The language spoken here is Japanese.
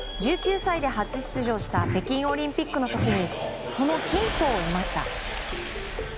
１９歳で初出場した北京オリンピックの時にそのヒントを得ました。